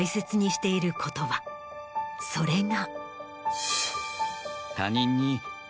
それが。